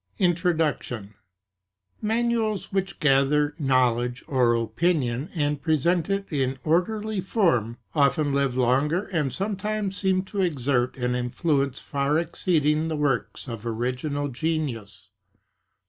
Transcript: introduction Manuals which gather knowledge or opinion and present it in orderly form often live longer and sometimes seem to exert an influence far exceeding the works of original genius.